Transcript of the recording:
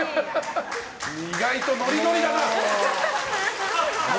意外とノリノリだな！